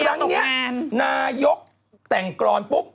ครั้งนี้นายกแต่งกรอนปุ๊บ